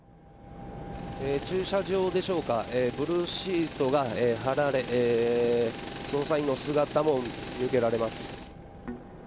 駐車場でしょうか、ブルーシートが張られ、捜査員の姿も見受けられます。